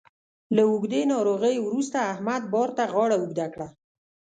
له اوږدې ناروغۍ وروسته احمد بار ته غاړه اوږده کړه